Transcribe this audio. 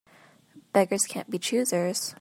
Beggars can't be choosers.